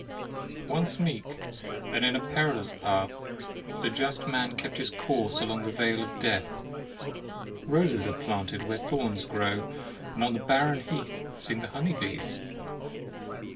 Once meek, and in a perilous path The just man kept his course along The Vale of Death. Roses are planted where thorns grow, And on the barren heath Sing the honey bees.